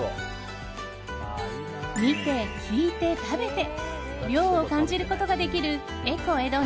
見て、聞いて、食べて涼を感じることができるＥＣＯＥＤＯ